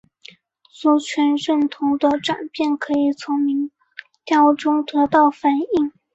族群认同的转变可以从民调中得到反映。